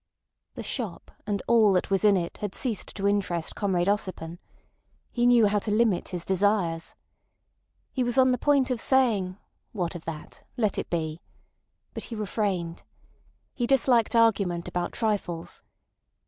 The shop and all that was in it had ceased to interest Comrade Ossipon. He knew how to limit his desires. He was on the point of saying "What of that? Let it be," but he refrained. He disliked argument about trifles.